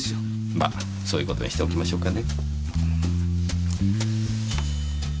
まそういう事にしておきましょうかね。